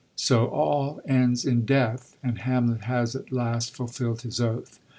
So all ends in death, and Hamlet has at last fulfild his oath.